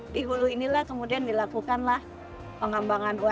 di hulu inilah kemudian dilakukanlah pengembangan